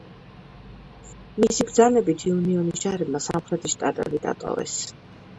მისი ბრძანებით იუნიონის ჯარებმა სამხრეთის შტატები დატოვეს.